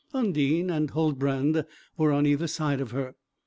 Undine and Huldbrand were on either side of her.